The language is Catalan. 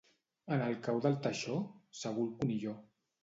En el cau del teixó, segur el conilló.